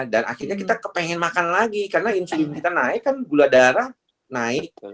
akhirnya kita kepengen makan lagi karena influence kita naik kan gula darah naik